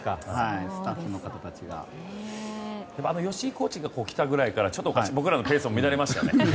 吉井コーチが来たぐらいから僕らのペースも乱れましたよね。